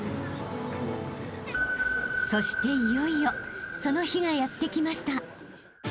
［そしていよいよその日がやって来ました］